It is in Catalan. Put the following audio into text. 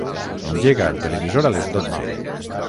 Engega el televisor a les dotze.